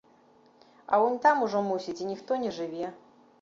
А унь там ужо, мусіць, і ніхто не жыве.